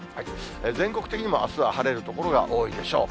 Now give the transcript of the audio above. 全国的にもあすは晴れる所が多いでしょう。